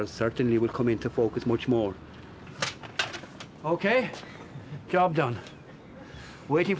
ＯＫ！